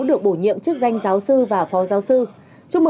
được bổ nhiệm chức danh giáo sư và phó giáo sư